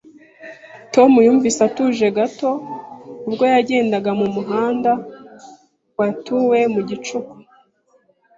Tom yumvise atuje gato ubwo yagendaga mu muhanda watuwe mu gicuku